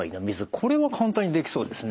これは簡単にできそうですね。